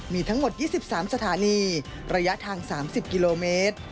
มีทั้งหมด๒๓สถานีระยะทาง๓๐กิโลเมตร